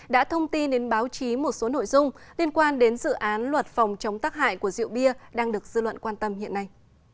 đã thông tin đến báo chí một số nội dung liên quan đến dự án luật phòng chống tắc hại của rượu bia đang được dư luận quan tâm hiện nay